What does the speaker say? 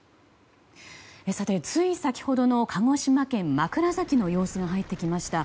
つい先ほどの鹿児島県枕崎の様子が入ってきました。